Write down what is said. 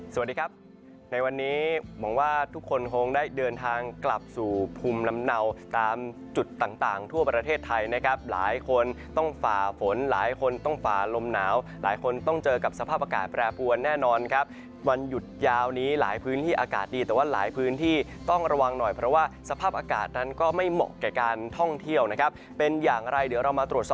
สวัสดีครับในวันนี้หวังว่าทุกคนคงได้เดินทางกลับสู่ภูมิลำเนาตามจุดต่างทั่วประเทศไทยนะครับหลายคนต้องฝ่าฝนหลายคนต้องฝ่าลมหนาวหลายคนต้องเจอกับสภาพอากาศแปรปวนแน่นอนครับวันหยุดยาวนี้หลายพื้นที่อากาศดีแต่ว่าหลายพื้นที่ต้องระวังหน่อยเพราะว่าสภาพอากาศนั้นก็ไม่เหมาะแก่การท่องเที่ยวนะครับเป็นอย่างไรเดี๋ยวเรามาตรวจสอบ